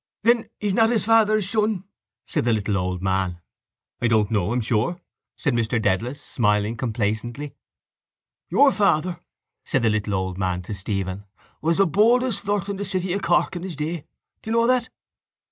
—Then he's not his father's son, said the little old man. —I don't know, I'm sure, said Mr Dedalus, smiling complacently. —Your father, said the little old man to Stephen, was the boldest flirt in the city of Cork in his day. Do you know that?